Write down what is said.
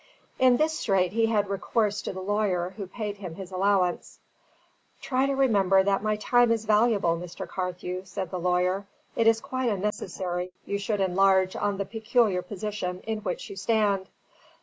In this strait, he had recourse to the lawyer who paid him his allowance. "Try to remember that my time is valuable, Mr. Carthew," said the lawyer. "It is quite unnecessary you should enlarge on the peculiar position in which you stand.